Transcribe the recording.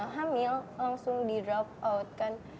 hamil langsung di drop out kan